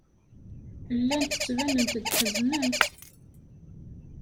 Llant ttbanent-d ḥeznent.